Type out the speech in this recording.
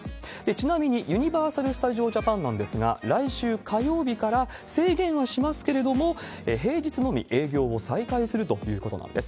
ちなみにユニバーサル・スタジオ・ジャパンなんですが、来週火曜日から、制限はしますけれども、平日のみ営業を再開するということなんです。